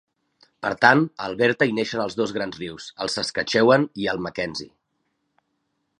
Per tant, a Alberta hi neixen els dos grans rius, el Saskatchewan i el Mackenzie.